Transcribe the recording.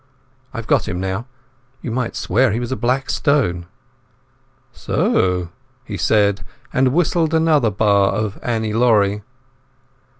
"I've got him now. You might swear he was a black stone." "So," he said, and whistled another bar of "Annie Laurie".